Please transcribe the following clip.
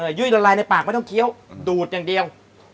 ยุ่ยละลายในปากไม่ต้องเคี้ยวดูดอย่างเดียว